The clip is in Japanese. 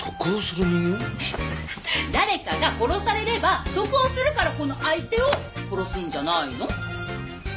誰かが殺されれば得をするからこの相手を殺すんじゃないの？